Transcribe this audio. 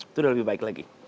itu sudah lebih baik lagi